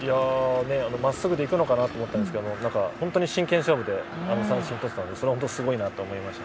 まっすぐで行くのかなと思ったんですけど本当に真剣勝負で三振とっていたのでそれはすごいなと思いました。